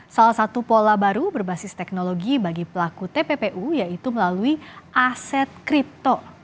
salah satu pola baru berbasis teknologi bagi pelaku tppu yaitu melalui aset kripto